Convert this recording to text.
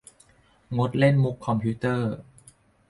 งดเล่นมุขคอมพิวเตอร์